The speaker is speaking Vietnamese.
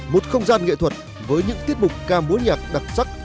một không gian nghệ thuật với những tiết mục ca múa nhạc đặc sắc